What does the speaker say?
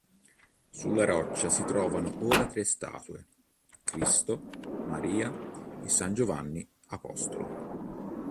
Sulla roccia si trovano ora tre statue: Cristo, Maria e san Giovanni Apostolo.